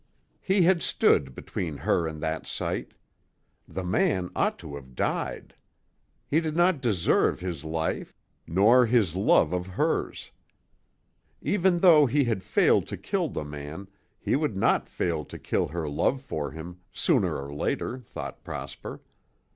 He had stood between her and that sight. The man ought to have died. He did not deserve his life nor this love of hers. Even though he had failed to kill the man, he would not fail to kill her love for him, sooner or later, thought Prosper.